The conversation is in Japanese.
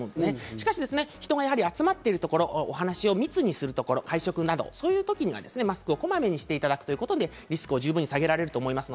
しかし人が集まっているところ、お話を密にするところ、会食などそういう時にはマスクをこまめにしていただくということで十分にリスクを下げられると思います。